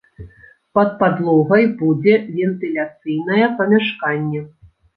Пад падлогай будзе вентыляцыйнае памяшканне.